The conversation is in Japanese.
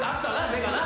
目がな。